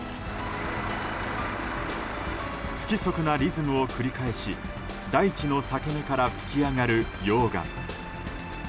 不規則なリズムを繰り返し大地の裂け目から噴き上がる溶岩。